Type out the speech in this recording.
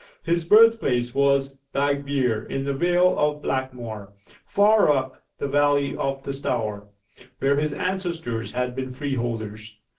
His birthplace was Bagbere in the vale of Blackmore, far up the valley of the Stour, where his ancestors had been freeholders.